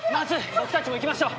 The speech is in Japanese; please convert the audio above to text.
僕たちも行きましょう。